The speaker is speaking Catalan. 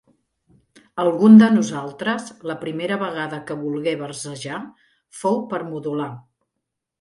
Algun de nosaltres, la primera vegada que volgué versejar, fou per modular.